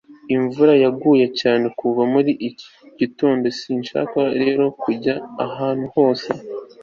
imvura yaguye cyane kuva muri iki gitondo, sinshaka rero kujya ahantu hose